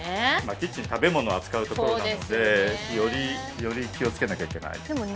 キッチン食べ物を扱うところなのでより気をつけなきゃいけない